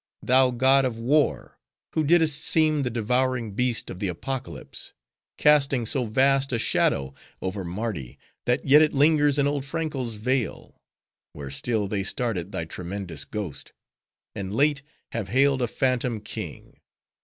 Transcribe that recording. Thou god of war! who didst seem the devouring Beast of the Apocalypse; casting so vast a shadow over Mardi, that yet it lingers in old Franko's vale; where still they start at thy tremendous ghost; and, late, have hailed a phantom, King!